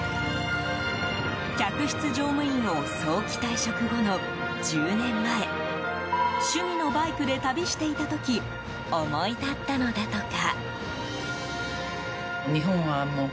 客室乗務員を早期退職後の１０年前趣味のバイクで旅していた時思い立ったのだとか。